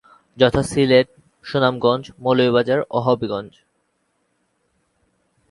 যথা- সিলেট, সুনামগঞ্জ, মৌলভীবাজার ও হবিগঞ্জ।